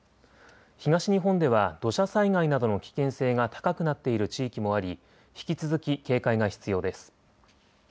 東日本では土砂災害などの危険性が高くなっている地域もあり引き続き警戒が必要です。